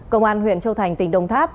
công an huyện châu thành tỉnh đồng tháp